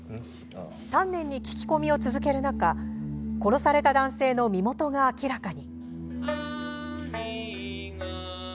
丹念に聞き込みを続ける中殺された男性の身元が明らかに。